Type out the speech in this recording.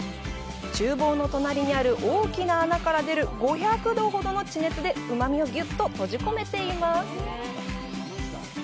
厨房の隣にある大きな穴から出る５００度ほどの地熱でうまみをぎゅっと閉じ込めています。